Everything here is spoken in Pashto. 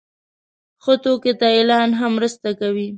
ښه توکي ته اعلان هم مرسته کوي.